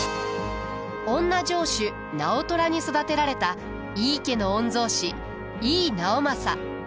おんな城主直虎に育てられた井伊家の御曹司井伊直政。